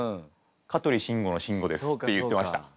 「香取慎吾の『慎吾』です」って言ってました。